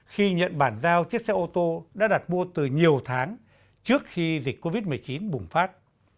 khi nhận bản giao chiếc xe ô tô đã đặt mua từ nhiều tháng trước khi dịch covid một mươi chín bùng phát